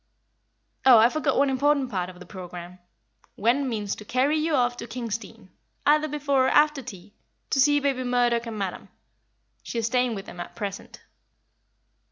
Oh, I forgot one important part of the programme: Gwen means to carry you off to Kingsdene, either before or after tea, to see baby Murdoch and Madam; she is staying with them at present."